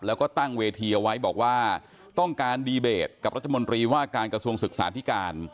แล้วก็ตั้งเวทีเอาไว้บอกว่าต้องการดีเบตกับรัฐมนตรีว่าการกระทรวงศึกษาธิการ